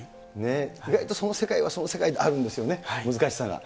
意外とその世界はその世界であるんですよね、難しさが。